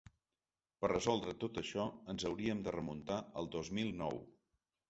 Per resoldre tot això ens hauríem de remuntar al dos mil nou.